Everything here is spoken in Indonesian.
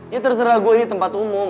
ya terserah gue ini tempat umum